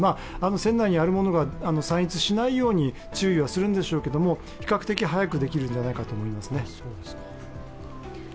船内にあるものが散逸しないように注意はするんでしょうけれども、比較的、早くできるんじゃないかと思いますね。